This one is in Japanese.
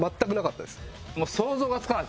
もう想像がつかなくて。